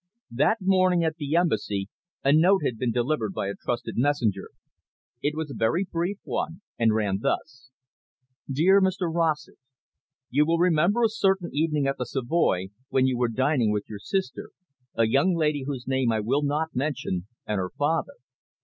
That morning, at the Embassy, a note had been delivered by a trusted messenger. It was a very brief one, and ran thus: "Dear Mr Rossett, You will remember a certain evening at the Savoy, when you were dining with your sister, a young lady whose name I will not mention, and her father.